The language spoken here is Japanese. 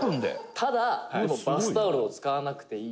「ただバスタオルを使わなくていい」